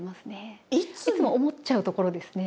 いつも思っちゃうところですね。